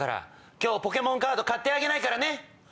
今日『ポケモン』カード買ってあげないからね。